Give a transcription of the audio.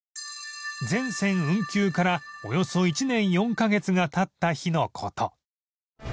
全線運休からおよそ１年４カ月が経った日の事